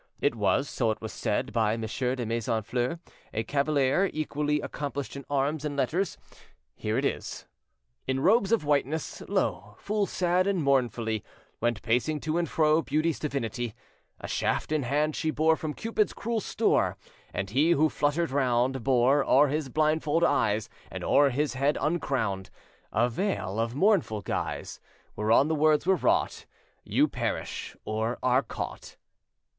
It was, so it was said, by M. de Maison Fleur, a cavalier equally accomplished in arms and letters: Here it is:— "In robes of whiteness, lo, Full sad and mournfully, Went pacing to and fro Beauty's divinity; A shaft in hand she bore From Cupid's cruel store, And he, who fluttered round, Bore, o'er his blindfold eyes And o'er his head uncrowned, A veil of mournful guise, Whereon the words were wrought: 'You perish or are caught.